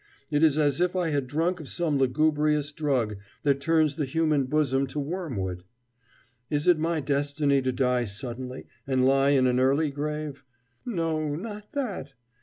It is as if I had drunk of some lugubrious drug that turns the human bosom to wormwood. Is it my destiny to die suddenly, and lie in an early grave? No, not that!